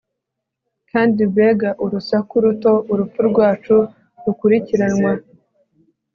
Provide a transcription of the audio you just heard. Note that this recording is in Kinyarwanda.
kandi mbega urusaku ruto urupfu rwacu rukurikiranwa